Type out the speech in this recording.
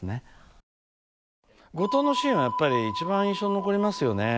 五島のシーンはやっぱり一番印象に残りますよね。